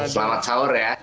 selamat sahur ya